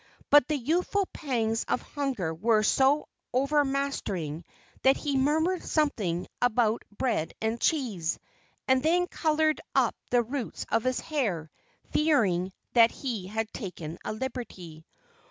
But the youthful pangs of hunger were so overmastering that he murmured something about bread and cheese, and then coloured up to the roots of his hair, fearing that he had taken a liberty.